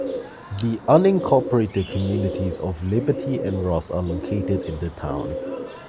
The unincorporated communities of Liberty and Ross are located in the town.